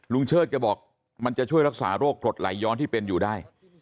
เชิดแกบอกมันจะช่วยรักษาโรคกรดไหลย้อนที่เป็นอยู่ได้